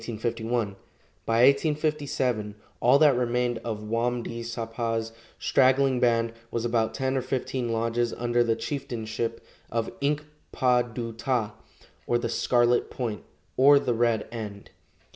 By 1857 all that remained of Wam di sapa's straggling band was about ten or fifteen lodges under the chieftainship of Ink pa du ta, or the "Scarlet Point," or the "Red End."